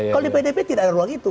kalau di pdp tidak ada ruang itu